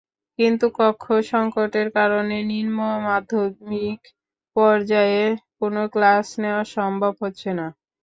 কিন্তু কক্ষ–সংকটের কারণে নিম্নমমাধ্যমিক পর্যায়ে কোনো ক্লাস নেওয়া সম্ভব হচ্ছে না।